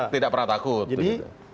tidak pernah takut jadi